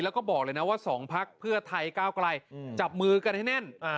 แล้วก็บอกเลยนะว่า๒พักเพื่อไทยก้าวไกลจับมือกันให้แน่น